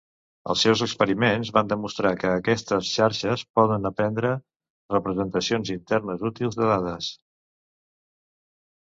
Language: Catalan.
Els seus experiments van demostrar que aquestes xarxes poden aprendre representacions internes útils de dades.